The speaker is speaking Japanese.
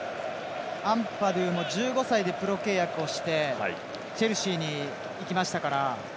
アンパドゥも１５歳でプロ契約をしてチェルシーにいきましたから。